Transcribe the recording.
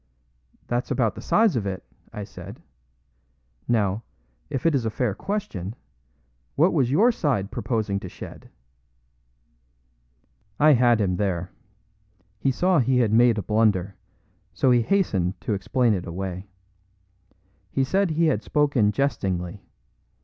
"That's about the size of it," I said. "Now, if it is a fair question, what was your side proposing to shed?" I had him there. He saw he had made a blunder, so he hastened to explain it away. He said he had spoken jestingly.